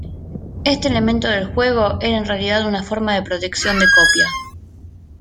Este elemento del juego era en realidad una forma de protección de copia.